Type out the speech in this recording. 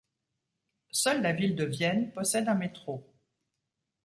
Seule la ville de Vienne possède un métro.